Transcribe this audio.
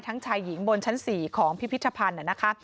ชายหญิงบนชั้น๔ของพิพิธภัณฑ์นะคะ